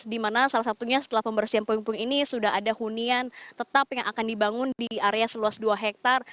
di mana salah satunya setelah pembersihan puing puing ini sudah ada hunian tetap yang akan dibangun di area seluas dua hektare